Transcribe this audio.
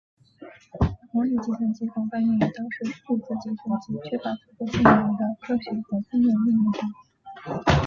模拟计算机广泛用于当时数字计算机缺乏足够性能的科学和工业应用中。